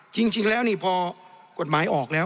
จริงแล้วนี่พอกฎหมายออกแล้ว